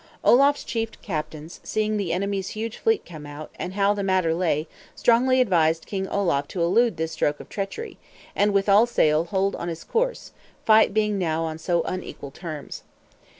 Olaf's chief captains, seeing the enemy's huge fleet come out, and how the matter lay, strongly advised King Olaf to elude this stroke of treachery, and, with all sail, hold on his course, fight being now on so unequal terms.